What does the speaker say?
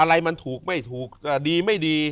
อะไรมันถูกไม่ถูกดีไม่ดี